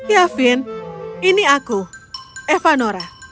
ya finn ini aku evanora